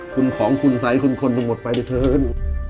คุณของคุณสัยคุณคนทุกข์หมดไปเดี๋ยวเถิด